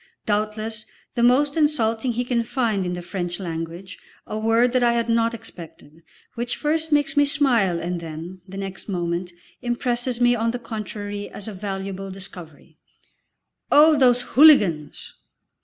doubtless the most insulting he can find in the French language, a word that I had not expected, which first makes me smile and then, the next moment, impresses me on the contrary as a valuable discovery. "Oh those hooligans!"